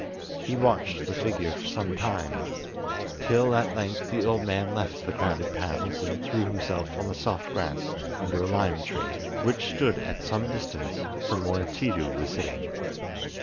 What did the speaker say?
He watched the figure for some time, till at length the old man left the crowded paths, and threw himself on the soft grass under a lime tree, which stood at some distance from where Tiidu was sitting.